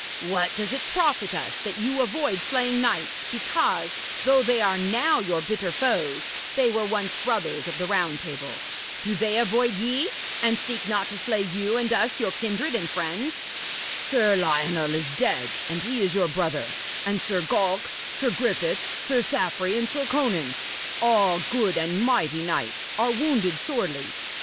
'What does it profit us that you avoid slaying knights because, though they are now your bitter foes, they were once brothers of the Round Table? Do they avoid ye, and seek not to slay you and us your kindred and friends? Sir Lionel is dead, and he is your brother; and Sir Galk, Sir Griffith, Sir Saffre and Sir Conan all good and mighty knights are wounded sorely.